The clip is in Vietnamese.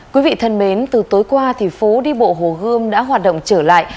quý vị thân mến từ tối qua thì phố đi bộ hồ gươm đã hoạt động trở lại